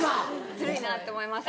ずるいなって思いますね。